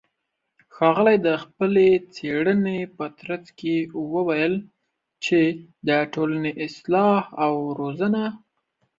ښاغلى د خپلې څېړنې په ترڅ کې وويل چې د ټولنې اصلاح او روزنه